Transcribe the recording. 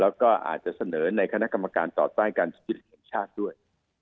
แล้วก็อาจจะเสนอในคณะกรรมการต่อต้านการสุจริตแห่งชาติด้วย